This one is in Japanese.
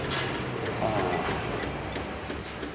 ああ。